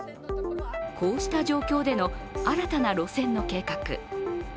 こうした状況での新たな路線の計画。